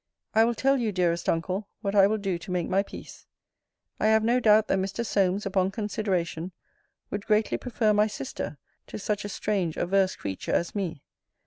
I will tell you, dearest Uncle, what I will do to make my peace. I have no doubt that Mr. Solmes, upon consideration, would greatly prefer my sister to such a strange averse creature as me.